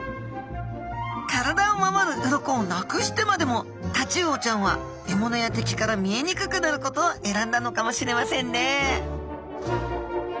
体を守る鱗をなくしてまでもタチウオちゃんは獲物や敵から見えにくくなることを選んだのかもしれませんね